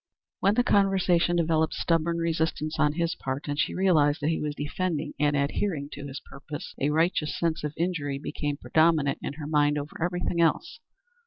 When the conversation developed stubborn resistance on his part, and she realized that he was defending and adhering to his purpose, a righteous sense of injury became predominant in her mind over everything else.